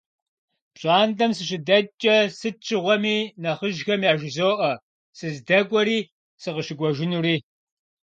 Пщӏантӏэм сыщыдэкӏкӏэ, сыт щыгъуэми нэхъыжьхэм яжызоӏэ сыздэкӏуэри сыкъыщыкӏуэжынури.